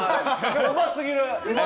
うますぎる！